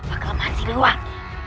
apa kelemahan siluang